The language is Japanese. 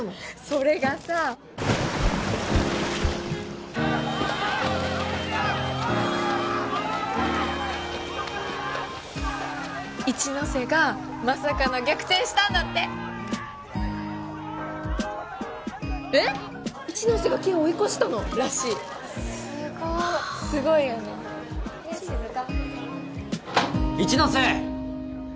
それがさ一ノ瀬がまさかの逆転したんだってえっ一ノ瀬が健を追い越したの？らしいすごっすごいよねねえ静香一ノ瀬！